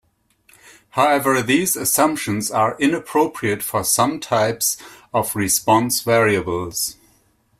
However, these assumptions are inappropriate for some types of response variables.